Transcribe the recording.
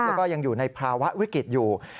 แล้วก็ยังอยู่ในภาวะวิกฤตอยู่